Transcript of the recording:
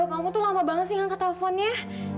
kamu tuh lama banget sih angkat telfonnya